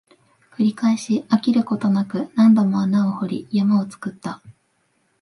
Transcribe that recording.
繰り返し、飽きることなく、何度も穴を掘り、山を作った